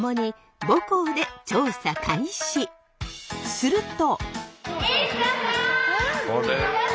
すると。